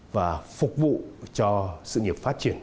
và phục vụ cho sự nghiệp phát triển